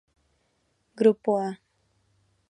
Grupo A